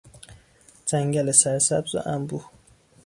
جنگل سرسبز و انبوه